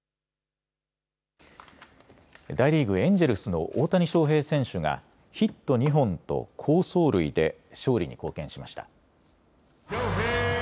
大リーグ、エンジェルスの大谷翔平選手がヒット２本と好走塁で勝利に貢献しました。